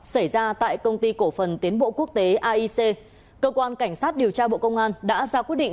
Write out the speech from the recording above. xảy ra tại công ty cổ phần tiến bộ quốc tế aic cơ quan cảnh sát điều tra bộ công an đã ra quyết định